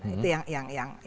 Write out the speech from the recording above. itu yang harus kita lihat